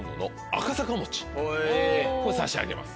これ差し上げます